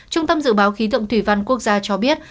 trung tâm dự báo khí tượng thủy văn quốc gia cho biết